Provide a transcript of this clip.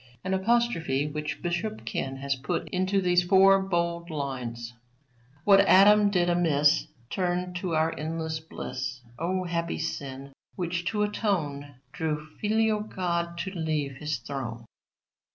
An apostrophe which Bishop Ken has put into these four bold lines "What Adam did amiss, Turned to our endless bliss; O happy sin, which to atone, Drew Filial God to leave His throne."